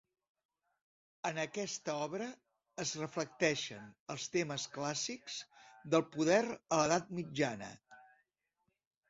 En aquesta obra es reflecteixen els temes clàssics del poder a l'Edat mitjana.